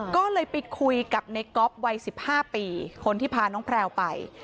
ก็เลยไปคุยกับในก๊อฟวัย๑๕ปีคนที่พาน้องแพลวไป